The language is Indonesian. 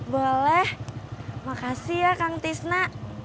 boleh makasih ya kang tisna